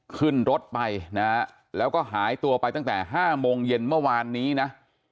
ขึ้นรถไปนะฮะแล้วก็หายตัวไปตั้งแต่๕โมงเย็นเมื่อวานนี้นะ